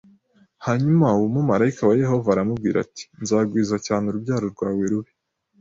Hanyuma uwo mumarayika wa Yehova aramubwira ati nzagwiza cyane urubyaro rwawe rube